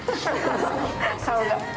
顔が。